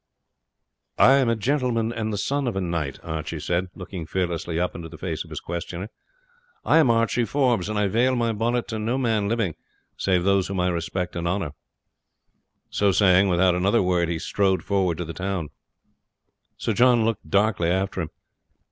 "I am a gentleman and the son of a knight," Archie said, looking fearlessly up into the face of his questioner. "I am Archie Forbes, and I vail my bonnet to no man living save those whom I respect and honour." So saying, without another word he strode forward to the town. Sir John looked darkly after him.